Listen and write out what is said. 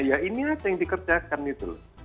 ya ini aja yang dikerjakan itu